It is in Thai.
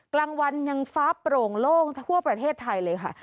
กลางวันยังฟ้าโปร่งโล่งทั่วประเทศไทยเลยค่ะ